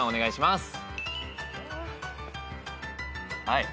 はい。